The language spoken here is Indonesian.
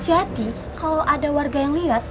jadi kalau ada warga yang liat